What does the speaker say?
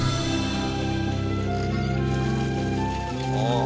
ああ！